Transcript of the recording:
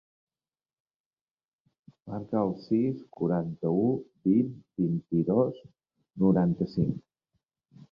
Marca el sis, quaranta-u, vint, vint-i-dos, noranta-cinc.